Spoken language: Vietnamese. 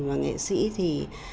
và nghệ sĩ thì